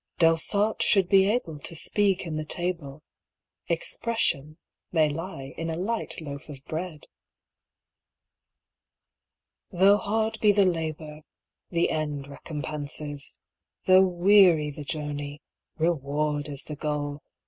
Delsarte should be able to speak in the table 'Expression' may lie in a light loaf of bread. Though hard be the labour, the end recompenses Though weary the journey, reward is the goal.